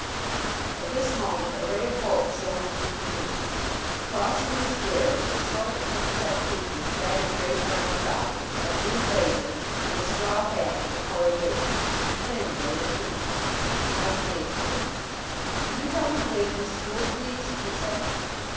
At this moment a ray of hope shone through the gloom. Crossing the square was a short, thick set figure clad in grey flannel trousers, a blue blazer, and a straw hat with a coloured band. Plainly a Wrykynian. Mike made for him. "Can you tell me the way to the school, please," he said.